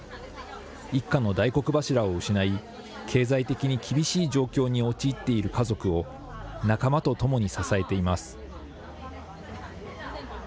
一家の大黒柱を失い、経済的に厳しい状況に陥っている家族を、仲間と共に支えています。